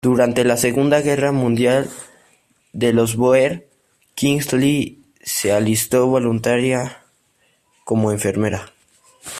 Durante la Segunda Guerra de los bóer, Kingsley se alistó voluntaria como enfermera.